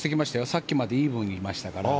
さっきまでイーブンにいましたから。